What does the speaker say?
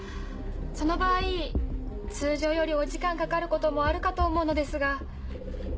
その場合通常よりお時間かかることもあるかと思うのですが。